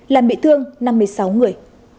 làm bị thương năm mươi sáu người